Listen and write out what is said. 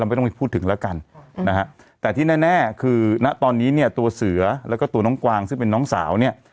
ไม่ต้องไปพูดถึงแล้วกันนะฮะแต่ที่แน่คือณตอนนี้เนี่ยตัวเสือแล้วก็ตัวน้องกวางซึ่งเป็นน้องสาวเนี่ย